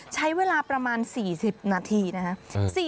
ใช้เวลาประมาณ๔๐นาทีนะครับ